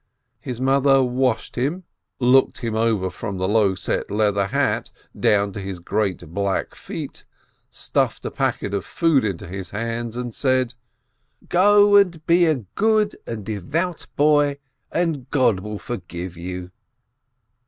His mother washed him, looked him over from the low set leather hat down to his great, black feet, stuffed a packet of food into his hands, and said : "Go and be a good and devout boy, and God will forgive you."